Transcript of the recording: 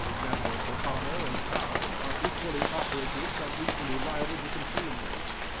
g. for honour and power, are equally operative and equally liable to concealment.